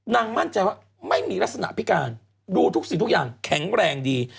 มั่นใจว่าไม่มีลักษณะพิการดูทุกสิ่งทุกอย่างแข็งแรงดี